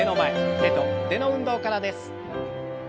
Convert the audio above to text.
手と腕の運動からです。